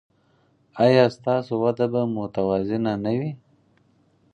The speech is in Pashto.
ایا ستاسو وده به متوازنه نه وي؟